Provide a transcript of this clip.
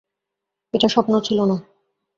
এটা স্বপ্ন ছিল না।